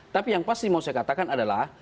tapi yang pasti mau saya katakan adalah